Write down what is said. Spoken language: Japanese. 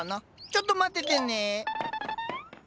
ちょっと待っててね。